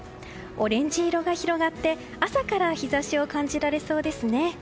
オレンジ色が広がって朝から日差しを感じられそうです。